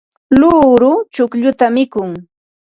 luuru chuqlluta mikun.